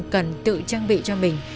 cần tự trang bị cho mình